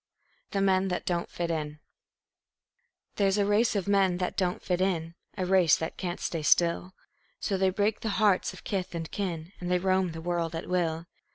The Men That Don't Fit In There's a race of men that don't fit in, A race that can't stay still; So they break the hearts of kith and kin, And they roam the world at will.